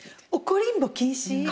怒りんぼ禁止？